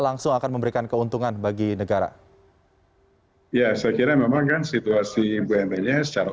langsung akan memberikan keuntungan bagi negara ya saya kira memang kan situasi bumn nya secara